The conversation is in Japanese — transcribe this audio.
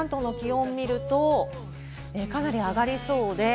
関東の気温を見るとかなり上がりそうです。